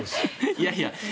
いやいや。